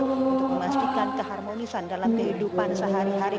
untuk memastikan keharmonisan dalam kehidupan sehari hari